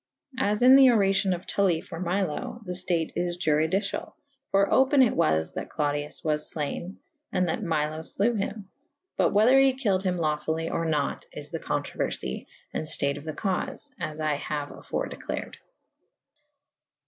As in the ora cion of Tully for Milo / the ftate is iuridiciall / for ope« it was that Clodius was flayn / and that Milo flewe hym / but whether he kylled hym laufuUy or nat : is the co«troueriy & ftate of the caufe / as I haue afore declared.